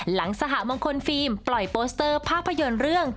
สหมงคลฟิล์มปล่อยโปสเตอร์ภาพยนตร์เรื่อง